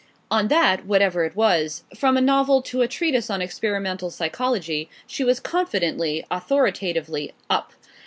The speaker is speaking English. On that, whatever it was, from a novel to a treatise on experimental psychology, she was confidently, authoritatively "up."